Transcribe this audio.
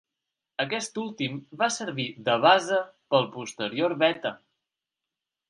Aquest últim va servir de base pel posterior Beta.